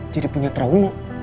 jadi punya trauma